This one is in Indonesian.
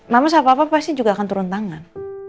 mama sama papa pasti juga akan turun tangan